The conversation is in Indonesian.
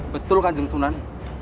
betul kanjeng sunan